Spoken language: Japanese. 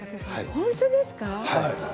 本当ですか？